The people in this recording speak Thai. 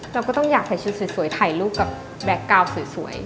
เราก็ต้องอยากใส่ชุดสวยถ่ายรูปกับแบ็คกาวน์สวย